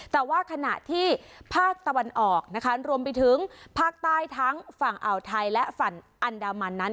แต่ว่าขณะที่ภาคตะวันออกนะคะรวมไปถึงภาคใต้ทั้งฝั่งอ่าวไทยและฝั่งอันดามันนั้น